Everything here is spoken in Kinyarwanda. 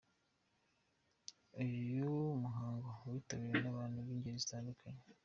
Uyu muhango witabiriwe n’abantu b’ingeri zitandukanye.